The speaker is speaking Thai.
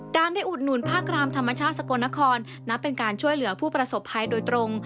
ได้อุดหนุนภาครามธรรมชาติสกลนครนับเป็นการช่วยเหลือผู้ประสบภัยโดยตรง